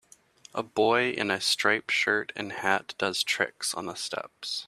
A boy in a striped shirt and hat does tricks on the steps.